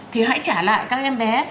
thì hãy trả lại các em bé